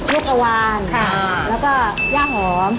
มีพัวหวาน